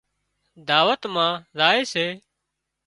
دعوت مان زائي سي